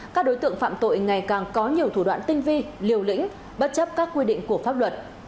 các đối tượng phạm tội ngày càng có nhiều thủ đoạn tinh vi liều lĩnh bất chấp các quy định của pháp luật